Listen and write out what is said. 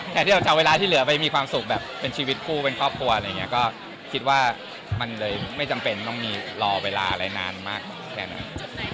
แทนที่เราจะเอาเวลาที่เหลือไปมีความสุขแบบเป็นชีวิตคู่เป็นครอบครัวอะไรอย่างนี้ก็คิดว่ามันเลยไม่จำเป็นต้องมีรอเวลาอะไรนานมากแค่นั้น